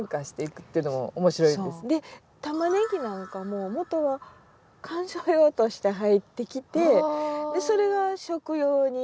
タマネギなんかももとは観賞用として入ってきてそれが食用になったり。